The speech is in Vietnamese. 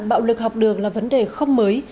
bạo lực học đường là vấn đề không mới